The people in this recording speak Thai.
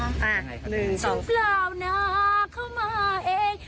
สองเปล่านะเข้ามาเอง